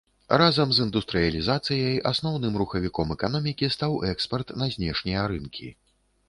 Разам з індустрыялізацыяй асноўным рухавіком эканомікі стаў экспарт на знешнія рынкі.